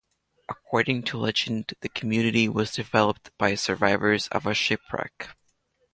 According to legend, the community was developed by survivors of a shipwreck.